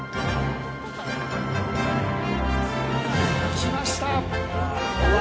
来ました！